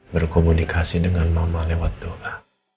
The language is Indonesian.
berkomunikasi dengan mama lewat doa